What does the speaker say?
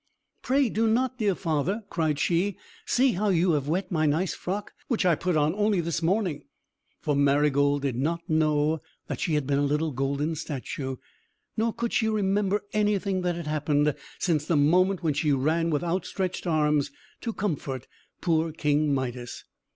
"Pray do not, dear father!" cried she. "See how you have wet my nice frock, which I put on only this morning!" For Marygold did not know that she had been a little golden statue; nor could she remember anything that had happened since the moment when she ran with outstretched arms to comfort poor King Midas.